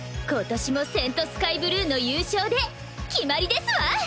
今年も聖スカイブルーの優勝で決まりですわ！